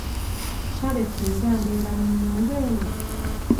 Kale singa mbeera mu nnyumba eno!